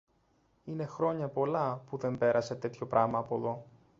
Είναι χρόνια πολλά που δεν πέρασε τέτοιο πράμα από δω.